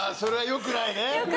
よくないね。